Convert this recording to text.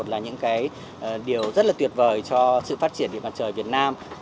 là những điều rất tuyệt vời cho sự phát triển điện mặt trời việt nam